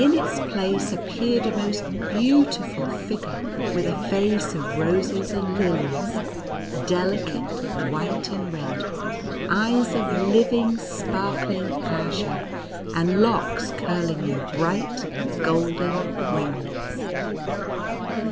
85 its place appeared a most beautiful figure, with a face of roses and lilies, delicate white and red, eyes of living, sparkling azure, and locks curling in bright golden ringlets.